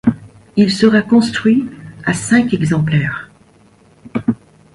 Il sera construit à cinq exemplaires.